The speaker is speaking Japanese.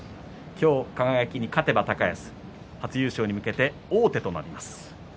今日、輝に勝てば高安初優勝に向けて王手となります。